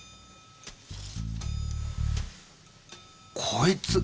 こいつ！